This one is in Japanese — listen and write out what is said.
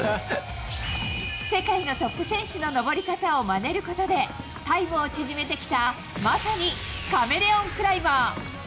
世界のトップ選手の登り方をまねることでタイムを縮めてきた、まさにカメレオンクライマー。